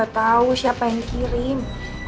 aku gak tau siapa yang kirim